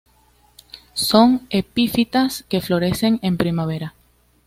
Son epífitas que florecen en primavera.